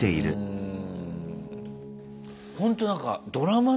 うん。